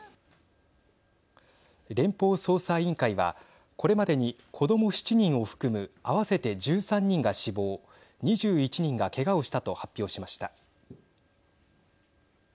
連邦捜査委員会はこれまでに子ども７人を含む合わせて１３人が死亡２１人がけがをしたと発表しました。